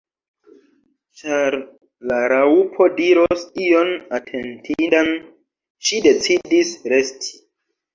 Ĉar la Raŭpo diros ion atentindan, ŝi decidis resti.